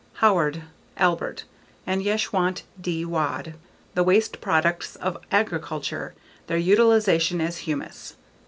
Howard, Albert and Yeshwant D. Wad. _The Waste Products of Agriculture: Their Utilization as Humus.